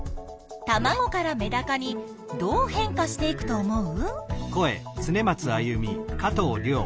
たまごからメダカにどう変化していくと思う？